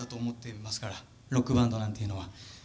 ロックバンドなんていうのは。